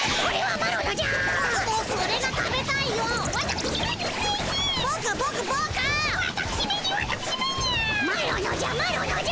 マロのじゃマロのじゃ。